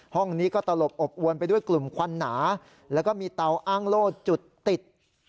ห้องนี้ก็ตลบอบอวนไปด้วยกลุ่มควันหนาแล้วก็มีเตาอ้างโล่จุดติด